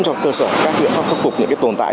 cho cơ sở các biện pháp khắc phục những tồn tại